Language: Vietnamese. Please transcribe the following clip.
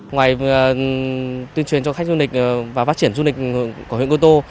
ngoài tuyên truyền cho khách du lịch và phát triển du lịch của huyện cô tô